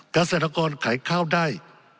เกษตรกรขายข้าวได้